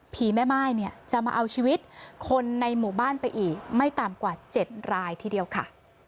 แม่ม่ายเนี่ยจะมาเอาชีวิตคนในหมู่บ้านไปอีกไม่ต่ำกว่า๗รายทีเดียวค่ะ